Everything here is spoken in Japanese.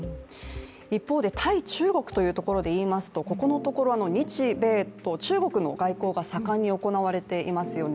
一方で対中国というところでいいますとここのところ、日米と中国の外交が盛んに行われていますよね。